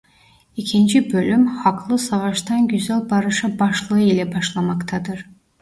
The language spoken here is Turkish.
İkinci bölüm "Haklı Savaştan Güzel Barışa" başlığı ile başlamaktadır.